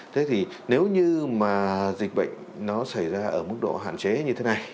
thế thì nếu như mà dịch bệnh nó xảy ra ở mức độ hạn chế như thế này